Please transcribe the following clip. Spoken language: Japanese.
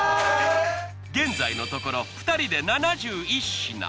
現在のところ２人で７１品。